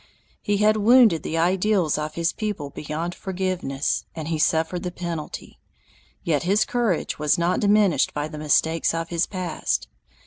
He had wounded the ideals of his people beyond forgiveness, and he suffered the penalty; yet his courage was not diminished by the mistakes of his past.